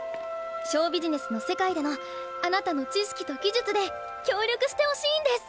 ショウビジネスの世界でのあなたの知識と技術で協力してほしいんです。